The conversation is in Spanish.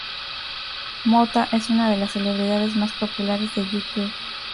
Mota es una de las celebridades más populares de YouTube.